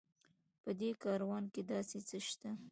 په دې کاروان کې داسې څه شته.